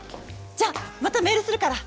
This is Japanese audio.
じゃまたメールするから！